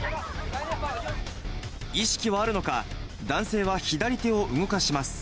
意識はあるのか、男性は左手を動かします。